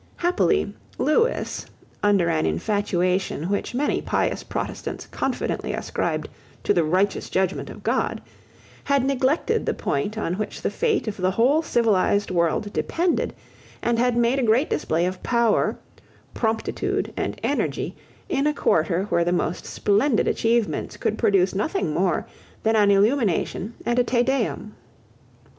Happily, Lewis, under an infatuation which many pious Protestants confidently ascribed to the righteous judgment of God, had neglected the point on which the fate of the whole civilised world depended, and had made a great display of power, promptitude, and energy, in a quarter where the most splendid achievements could produce nothing more than an illumination and a Te Deum.